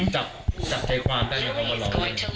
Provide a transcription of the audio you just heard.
จับใจความได้ไงขอขอร้องไง